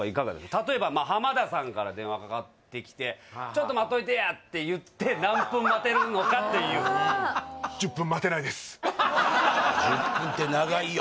例えば浜田さんから電話かかってきてちょっと待っといてやって言って何分待てるのかっていう１０分って長いよ